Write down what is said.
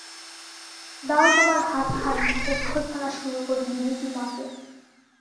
দাও তোমার হাতখানি, অভ্যর্থনা শুরু করি বিলিতি মতে।